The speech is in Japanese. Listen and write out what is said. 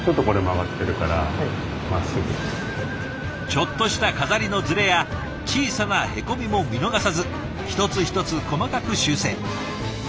ちょっとした飾りのずれや小さなへこみも見逃さず一つ一つ細かく修正。